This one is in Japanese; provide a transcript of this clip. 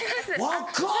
若っ！